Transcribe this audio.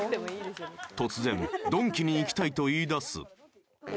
［突然ドンキに行きたいと言いだす］